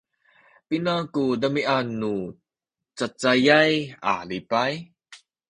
pina ku demiad nu cacayay a lipay?